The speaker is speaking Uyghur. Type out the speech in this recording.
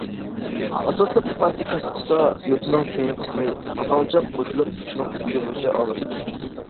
ئاساسلىق ئىپادىسى كاسسا، يوتىنىڭ كەينى قىسمى، پاقالچاق قوشۇلۇپ پۇتنىڭ ئۇچىغىچە ئاغرىيدۇ.